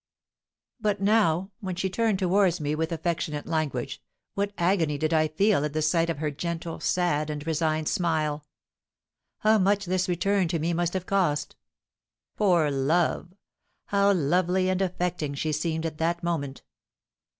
But now, when she turned towards me with affectionate language, what agony did I feel at the sight of her gentle, sad, and resigned smile! How much this return to me must have cost! Poor love! how lovely and affecting she seemed at that moment!